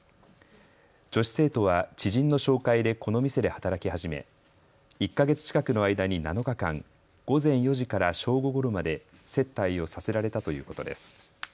女子生徒は知人の紹介でこの店で働き始め１か月近くの間に７日間、午前４時から正午ごろまで接待をさせられたということです。